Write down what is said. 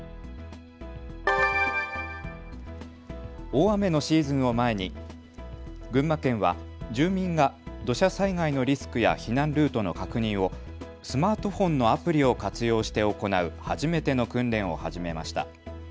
大雨のシーズンを前に群馬県は住民が土砂災害のリスクや避難ルートの確認をスマートフォンのアプリを活用して行う初めての訓練を始めました。